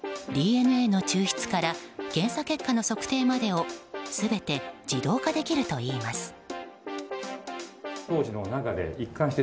ＤＮＡの抽出から検査結果の測定までを全て自動化できるといいます。